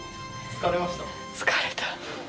疲れた。